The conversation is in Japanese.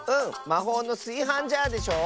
まほうのすいはんジャーでしょ？